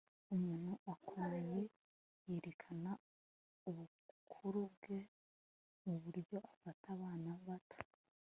umuntu ukomeye yerekana ubukuru bwe mu buryo afata abana bato